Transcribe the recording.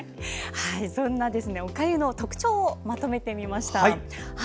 そんなおかゆの特徴をまとめてみました。